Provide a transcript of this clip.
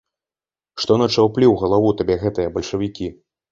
Што начаўплі ў галаву табе гэтыя бальшавікі?